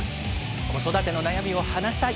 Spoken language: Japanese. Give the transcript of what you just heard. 子育ての悩みを話したい。